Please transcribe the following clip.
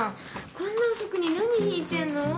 こんな遅くに何弾いてんの？